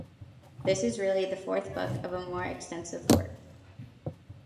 This is really the fourth book of a more extensive work.